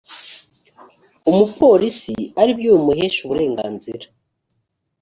umupolisi ari byo bimuhesha uburenganzira